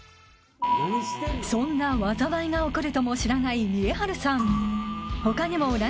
［そんな災いが起こるとも知らない見栄晴さん］